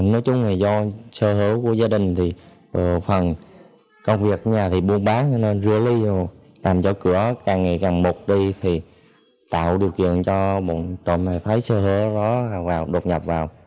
nói chung là do sơ hở của gia đình thì phần công việc nhà thì buôn bán cho nên rửa lấy vô làm cho cửa càng ngày càng mụt đi thì tạo điều kiện cho một trọng hệ thái sơ hở đó đột nhập vào